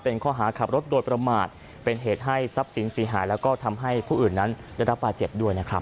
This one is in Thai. เป็นข้อหาขับรถโดยประมาทเป็นเหตุให้ทรัพย์สินเสียหายแล้วก็ทำให้ผู้อื่นนั้นได้รับบาดเจ็บด้วยนะครับ